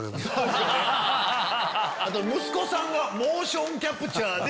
息子さんがモーションキャプチャーで。